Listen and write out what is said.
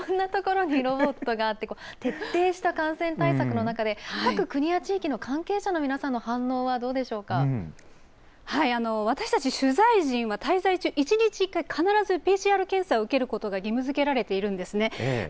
いろんな所にロボットがあって、徹底した感染対策の中で、各国や地域の関係者の皆さんの反応はど私たち、取材陣は滞在中、１日１回、必ずＰＣＲ検査を受けることが義務づけられているんですね。